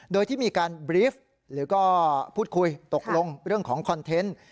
โดยที่มีการบรีฟหรือก็พูดคุยตกลงเรื่องของคอนเทนต์